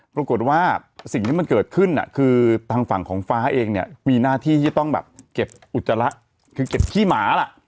ปรากฏว่าสิ่งที่มันเกิดขึ้นคือทางฝั่งของฟ้าเองเนี่ยมีหน้าที่ที่ต้องแบบเก็บอุจจาระคือเก็บขี้หมาล่ะ